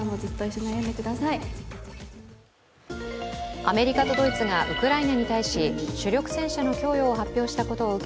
アメリカとドイツがウクライナに対し、主力戦車の供与を発表したことを受け